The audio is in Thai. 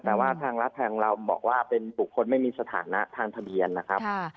แต่ว่าทางรัฐทางเราบอกว่าเป็นบุคคลไม่มีสถานะทางทะเบียนนะครับ